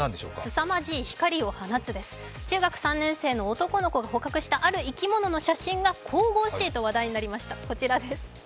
すさまじい光を放つです、中学生の男の子が撮影したこちらの写真が神々しいと話題になりました。